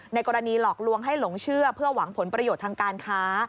กรณีหลอกลวงให้หลงเชื่อเพื่อหวังผลประโยชน์ทางการค้า